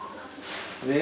ねえ。